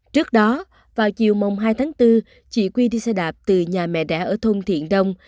trước đó vào chiều mông hai tháng bốn chị quy đi xe đạp từ nhà mẹ đẻ ở thôn thiện đông